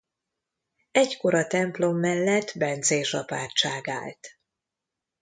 Egykor a templom mellett bencés apátság állt.